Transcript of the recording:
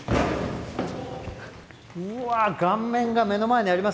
うわっ顔面が目の前にありますよ。